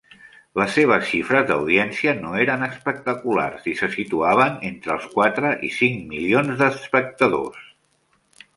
Les seves xifres d'audiència no eren espectaculars i se situaven entre els quatre i cinc milions d'espectadors.